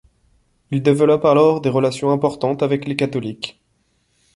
Il développe alors des relations importantes avec les catholiques.